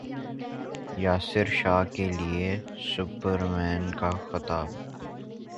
یاسر شاہ کے لیے سپرمین کا خطاب